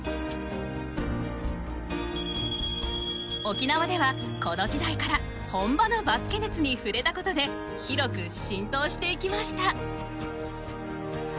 沖縄ではこの時代から本場のバスケ熱に触れた事で広く浸透していきました。